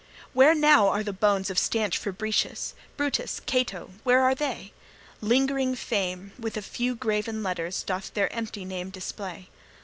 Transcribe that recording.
Where are now the bones of stanch Fabricius? Brutus, Cato where are they? Lingering fame, with a few graven letters, Doth their empty name display.